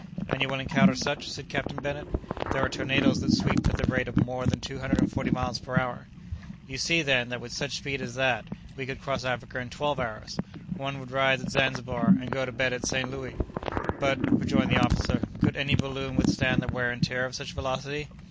"And you will encounter such," said Captain Bennet. "There are tornadoes that sweep at the rate of more than two hundred and forty miles per hour." "You see, then, that with such speed as that, we could cross Africa in twelve hours. One would rise at Zanzibar, and go to bed at St. Louis!" "But," rejoined the officer, "could any balloon withstand the wear and tear of such velocity?"